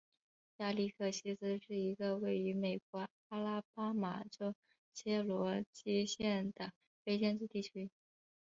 亚历克西斯是一个位于美国阿拉巴马州切罗基县的非建制地区。